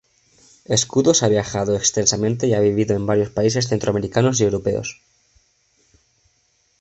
Escudos ha viajado extensamente y ha vivido en varios países centroamericanos y europeos.